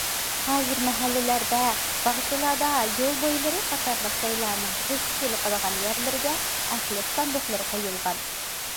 ھازىر مەھەللىلەردە، باغچىلاردا، يول بويلىرى قاتارلىق جايلارنىڭ كۆزگە چېلىقىدىغان يەرلىرىگە ئەخلەت ساندۇقلىرى قويۇلغان.